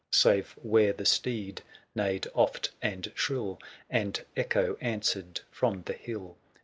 Save where the steed neighed oft and shrill. And echo answered from the hill.